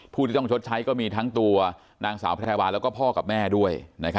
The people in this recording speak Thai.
ผู้ที่ต้องชดใช้ก็มีทั้งตัวนางสาวแพรวาแล้วก็พ่อกับแม่ด้วย